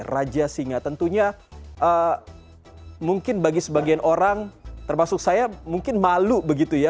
raja singa tentunya mungkin bagi sebagian orang termasuk saya mungkin malu begitu ya